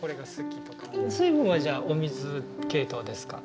水分はじゃあお水系統ですか？